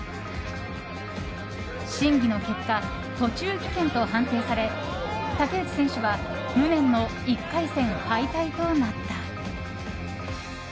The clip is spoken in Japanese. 審議の結果、途中棄権と判定され竹内選手は無念の１回戦敗退となった。